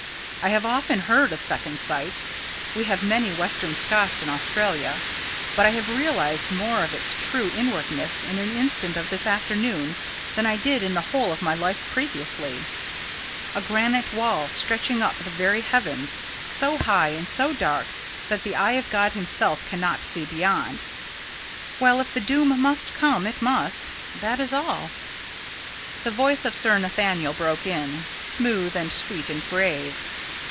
I have often heard of second sight we have many western Scots in Australia; but I have realised more of its true inwardness in an instant of this afternoon than I did in the whole of my life previously a granite wall stretching up to the very heavens, so high and so dark that the eye of God Himself cannot see beyond. Well, if the Doom must come, it must. That is all." The voice of Sir Nathaniel broke in, smooth and sweet and grave.